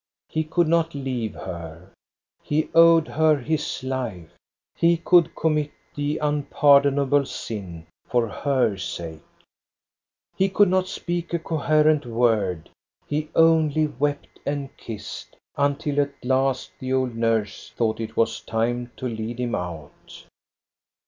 He could not leave her — he owed her his life. He could commit the un pardonable sin for her sake. He could not speak a coherent word, he only wept and kissed, until at last the old nurse thought it was time to lead him out.